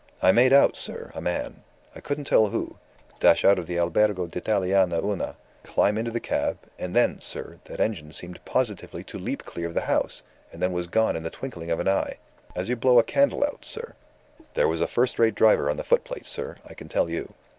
I made out, sir, a man I couldn't tell who dash out of the Albergo d'ltalia Una, climb into the cab, and then, sir, that engine seemed positively to leap clear of the house, and was gone in the twinkling of an eye. As you blow a candle out, sir! There was a first rate driver on the foot plate, sir, I can tell you.